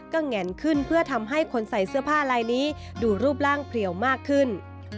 ก็แง่นขึ้นเพื่อทำให้คนใส่เสื้อผ้าลายนี้ดูรูปร่างเพลียวมากขึ้น